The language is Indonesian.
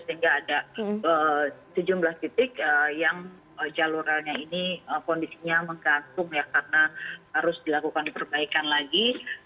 sehingga ada tujuh belas titik yang jalurannya ini kondisinya menggantung ya karena harus dilakukan perbaikan lagi